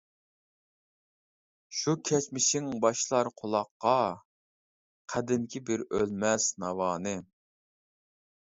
شۇ كەچمىشىڭ باشلار قۇلاققا، قەدىمكى بىر ئۆلمەس ناۋانى.